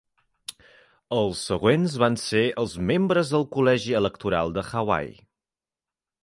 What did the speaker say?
Els següents van ser els membres del Col·legi Electoral de Hawaii.